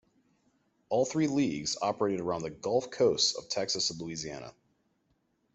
All three leagues operated around the Gulf coasts of Texas and Louisiana.